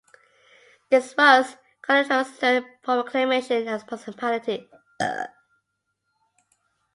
This was Calatrava's third proclamation as a municipality.